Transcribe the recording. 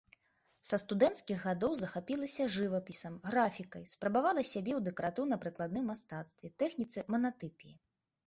Са студэнцкіх гадоў захапілася жывапісам, графікай, спрабавала сябе ў дэкаратыўна-прыкладным мастацтве, тэхніцы манатыпіі.